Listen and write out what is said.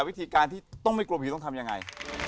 วิธีการที่ต้องไม่กลัวผีต้องทำยังไง